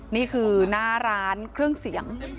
นี่คือหน้าร้านเครื่องเสียง